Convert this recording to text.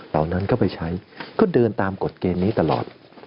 นั้นก็ไปใช้ก็เดินตามกฎเกณฑ์นี้ตลอด